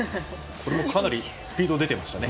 これもかなりスピードが出てましたね。